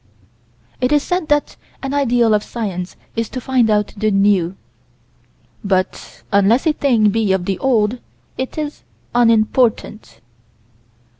It is said that an ideal of science is to find out the new but, unless a thing be of the old, it is "unimportant."